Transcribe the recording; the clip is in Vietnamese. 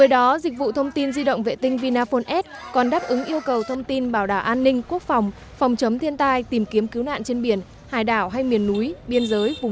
để thông tin di động vệ tinh vinaphone s phủ rộng giúp nhau cứu nạn rủi ro có thể xảy ra khi lao động trên biển